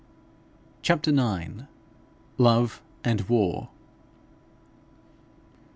CHAPTER IX. LOVE AND WAR.